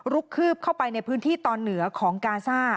คืบเข้าไปในพื้นที่ตอนเหนือของกาซ่า